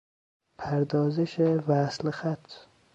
پردازش وصل - خط